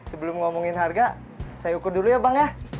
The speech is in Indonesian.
sebelum ngomongin harga saya ukur dulu ya bang ya